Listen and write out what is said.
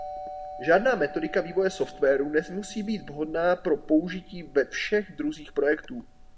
Žádná metodika vývoje softwaru nemusí být vhodná pro použití ve všech druzích projektů.